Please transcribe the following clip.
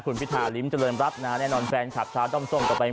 คุณพิธาริมเจริญรัฐนะฮะแน่นอนแฟนคลับชาวด้อมส้มก็ไป